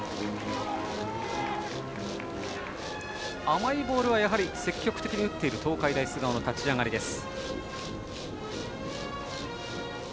甘いボールはやはり積極的に打っている東海大菅生の立ち上がりです。